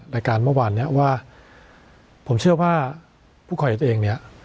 รายการเมื่อวานเนี้ยว่าผมเชื่อว่าผู้คอยตัวเองเนี่ย